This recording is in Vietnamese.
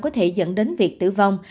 có thể dẫn đến việc tử vong